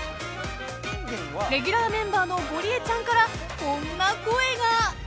［レギュラーメンバーのゴリエちゃんからこんな声が］